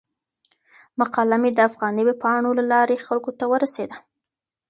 مقاله مې د افغاني ویبپاڼو له لارې خلکو ته ورسیده.